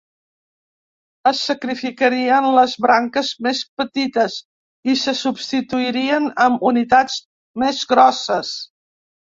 Es sacrificarien les branques més petites i se substituirien amb unitats més grosses.